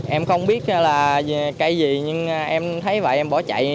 em không biết là cây gì nhưng em thấy vậy em bỏ chạy